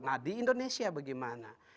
nah di indonesia bagaimana